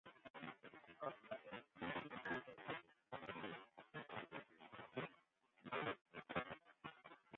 As pleechgesin krije jo in begelieder tawiisd dy't jo stipet en begeliedt.